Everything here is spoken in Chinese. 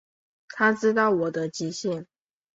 他知道我的极限